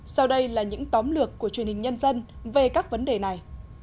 sau đây là những tóm lược của truyền hình nhân dân về các vấn đề này